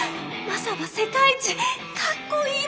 マサは世界一かっこいい。